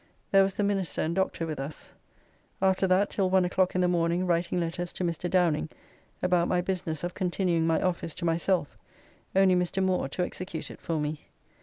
There was the minister and doctor with us. After that till one o'clock in the morning writing letters to Mr. Downing about my business of continuing my office to myself, only Mr. Moore to execute it for me.